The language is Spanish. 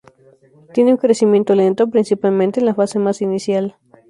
Tiene un crecimiento lento principalmente en la fase más inicial.